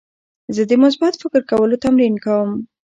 زه د مثبت فکر کولو تمرین کوم.